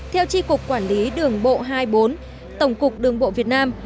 theo tri cục quản lý đường bộ hai mươi bốn tổng cục đường bộ việt nam